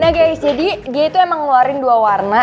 nah guys jadi dia itu emang ngeluarin dua warna